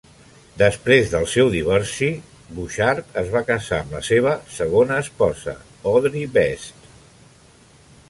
Després del seu divorci, Bouchard es va casar amb la seva segona esposa, Audrey Best.